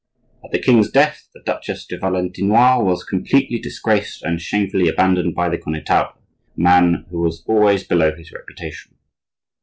At the king's death the Duchesse de Valentinois was completely disgraced and shamefully abandoned by the Connetable, a man who was always below his reputation.